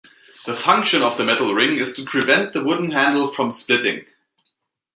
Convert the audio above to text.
The function of the metal ring is to prevent the wooden handle from splitting.